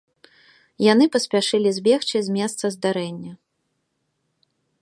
Яны паспяшылі збегчы з месца здарэння.